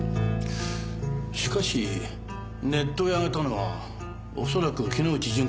しかしネットへ上げたのは恐らく木之内順子さんです。